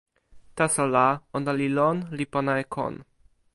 taso la, ona li lon li pona e kon.